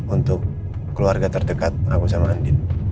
untuk keluarga terdekat aku sama andin